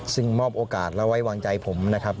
ซึ่งมอบโอกาสและไว้วางใจผมนะครับ